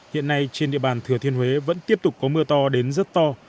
hiện nay trên địa bàn thừa thiên huế vẫn tiếp tục có mưa to đến rất to